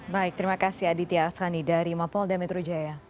baik terima kasih aditya ashani dari polda metro jaya